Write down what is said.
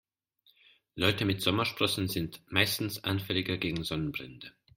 Leute mit Sommersprossen sind meistens anfälliger gegen Sonnenbrände.